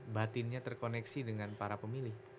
batinnya terkoneksi dengan para pemilih